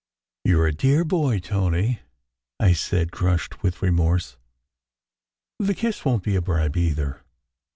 "You re a dear boy, Tony," I said, crushed with re morse. "The kiss won t be a bribe, either.